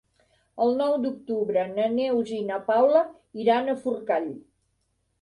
El nou d'octubre na Neus i na Paula iran a Forcall.